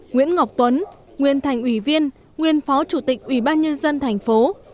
nguyễn ngọc tuấn nguyên thành ủy viên nguyên phó chủ tịch ủy ban nhân dân thành phố